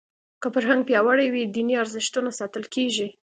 که فرهنګ پیاوړی وي دیني ارزښتونه ساتل کېږي.